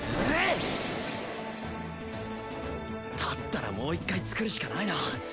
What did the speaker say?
だったらもう１回作るしかないな。